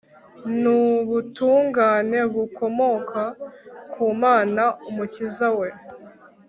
n'ubutungane bukomoka ku mana umukiza we